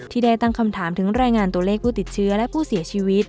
ที่ได้ตั้งคำถามถึงรายงานตัวเลขผู้ติดเชื้อและผู้เสียชีวิต